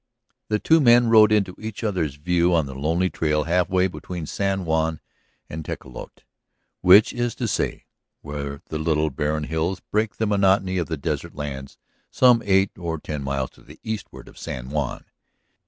] The two men rode into each other's view on the lonely trail half way between San Juan and Tecolote, which is to say where the little, barren hills break the monotony of the desert lands some eight or ten miles to the eastward of San Juan.